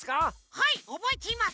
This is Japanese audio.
はいおぼえています！